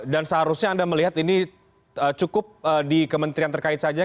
dan seharusnya anda melihat ini cukup di kementerian terkait saja